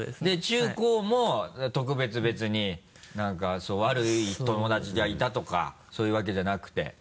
で中高も特別別に何か悪い友達がいたとかそういうわけじゃなくて。